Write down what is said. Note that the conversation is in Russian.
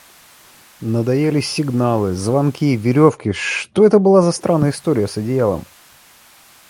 Надоели сигналы, звонки, веревки; Что это была за странная история с одеялом?